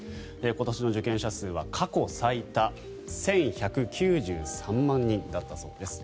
今年の受験者数は過去最多１１９３万人だったそうです。